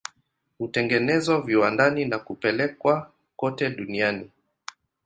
Hutengenezwa viwandani na kupelekwa kote duniani.